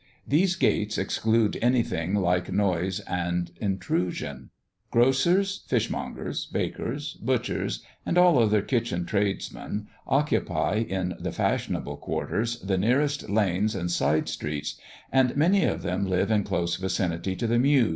These gates exclude anything like noise and intrusion. Grocers, fishmongers, bakers, butchers, and all other kitchen tradesmen occupy, in the fashionable quarters, the nearest lanes and side streets, and many of them live in close vicinity to the mews.